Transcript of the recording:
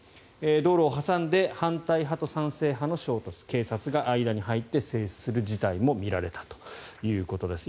道路を挟んで反対派と賛成派の衝突警察が間に入って制止する事態も見られたということです。